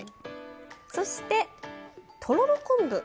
そしてとろろ昆布。